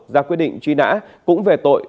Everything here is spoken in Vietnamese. ra quy định truy nã cũng về tội